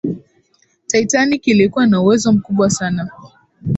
titanic ilikuwa na uwezo mkubwa sana